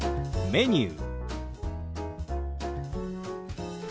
「メニュー」。